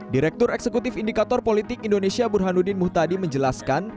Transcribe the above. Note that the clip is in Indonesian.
direktur eksekutif indikator politik indonesia burhanuddin muhtadi menjelaskan